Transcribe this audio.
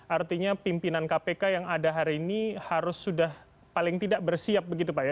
artinya pimpinan kpk yang ada hari ini harus sudah paling tidak bersiap begitu pak ya